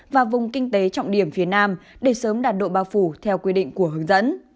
và vùng kinh tế trọng điểm phía nam để sớm đạt độ bao phủ theo quy định của hướng dẫn